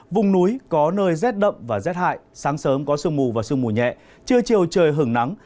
vùng núi có nơi rét đậm và rét hại sáng sớm có sương mù và sương mù nhẹ trưa chiều trời hưởng nắng